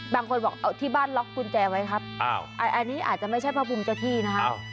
บางคนบอกเอาที่บ้านล็อกกุญแจไว้ครับอันนี้อาจจะไม่ใช่พระภูมิเจ้าที่นะครับ